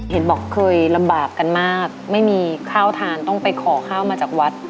เห็นบอกเคยลำบากกันมากไม่มีข้าวทานต้องไปขอข้าวมาจากวัด